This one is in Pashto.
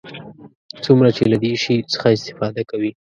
څومره چې له دې شي څخه استفاده کوي.